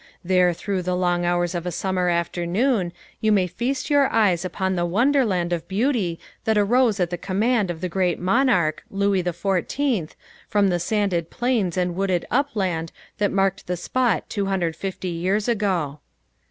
There through the long hours of a summer afternoon you may feast your eyes upon the wonderland of beauty that rose at the command of the grand monarch, Louis XIV, from the sanded plains and wooded upland that marked the spot two hundred and fifty years ago.